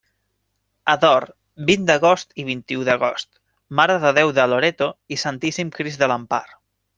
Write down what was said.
Ador: vint d'agost i vint-i-u d'agost, Mare de Déu del Loreto i Santíssim Crist de l'Empar.